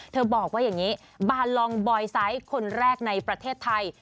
บอกว่าอย่างนี้บาลองบอยไซส์คนแรกในประเทศไทย